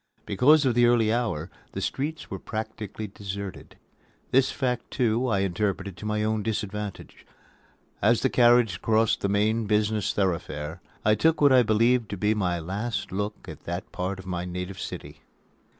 Because of the early hour, the streets were practically deserted. This fact, too, I interpreted to my own disadvantage. As the carriage crossed the main business thoroughfare, I took what I believed to be my last look at that part of my native city.